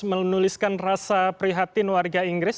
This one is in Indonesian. menuliskan rasa prihatin warga inggris